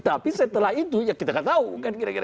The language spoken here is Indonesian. tapi setelah itu ya kita nggak tahu kan kira kira